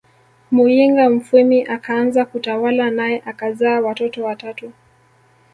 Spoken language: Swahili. Muyinga Mfwimi akaanza kutawala nae akazaa watoto watatu